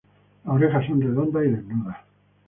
Las orejas son redondas y desnudas.